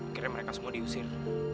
akhirnya mereka semua diusir